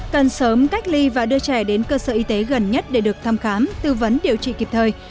cần sớm cách ly và đưa trẻ đến cơ sở y tế gần nhất để được thăm khám tư vấn điều trị kịp thời